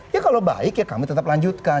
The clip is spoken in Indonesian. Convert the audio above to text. ya kalau baik ya kami tetap lanjutkan